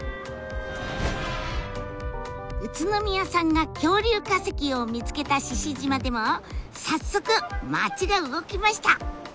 宇都宮さんが恐竜化石を見つけた獅子島でも早速町が動きました！